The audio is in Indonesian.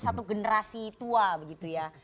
satu generasi tua begitu ya